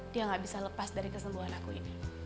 dia gak bisa lepas dari kesembuhan aku ini